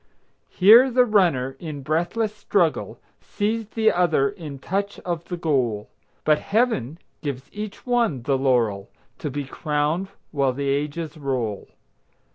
Here the runner, in breathless struggle, Sees the other in touch of the goal; But Heaven gives each one the laurel, To be crowned while the ages roll.